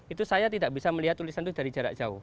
itu saya tidak bisa melihat tulisan itu dari jarak jauh